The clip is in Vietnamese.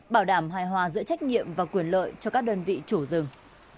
bảo đảm hài hòa giữa trách nhiệm và quyền lợi cho các đơn vị chủ rừng